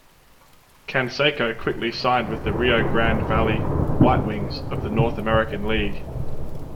Canseco quickly signed with the Rio Grande Valley WhiteWings of the North American League.